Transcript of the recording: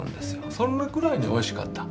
そのくらいにおいしかった。